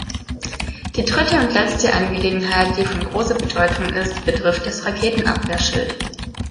Die dritte und letzte Angelegenheit, die von großer Bedeutung ist, betrifft das Raketenabwehrschild.